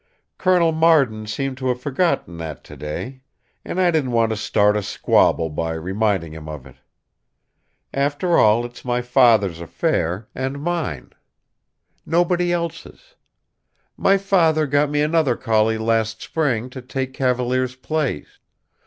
Colonel Marden seemed to have forgotten that to day. And I didn't want to start a squabble by reminding him of it. After all, it's my father's affair, and mine. Nobody else's. My father got me another collie last spring to take Cavalier's place.